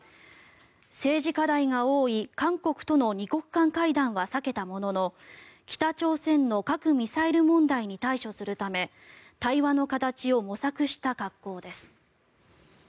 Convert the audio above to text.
政治課題が多い韓国との２国間会談は避けたものの北朝鮮の核・ミサイル問題に対処するため対話の形を模索した格好です。